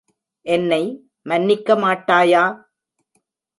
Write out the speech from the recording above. என்னை மன்னிக்க மாட்டாயா?